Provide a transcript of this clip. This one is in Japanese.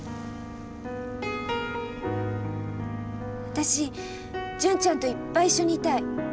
私純ちゃんといっぱい一緒にいたい。